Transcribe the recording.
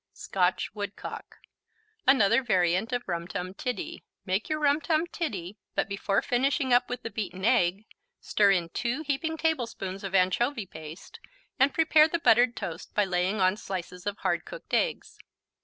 Scotch Woodcock Another variant of Rum Tum Tiddy. Make your Rum Tum Tiddy, but before finishing up with the beaten egg, stir in 2 heaping tablespoons of anchovy paste and prepare the buttered toast by laying on slices of hard cooked eggs.